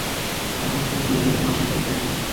আমার প্রতি কোন আশাই করা যায় না।